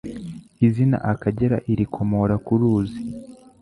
Izina Akagera irikomora ku ruzi